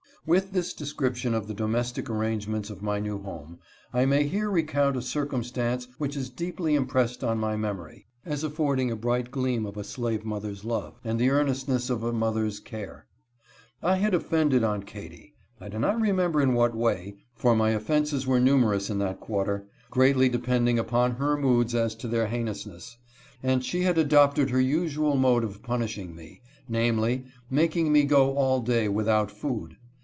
With this description of the domestic arrangements of my new home, I may here recount a circumstance which is deeply impressed on my memory, as affording a bright gleam of a slave mother's love, and the earnestness of a mother's care. I had offended Aunt Katy. I do not remember in what way, for my offences were numer ous in that quarter, greatly depending upon her moods as to their heinousness, and she had adopted her usual mode of punishing me : namely, making me gojdljla^ Jgifchoat food.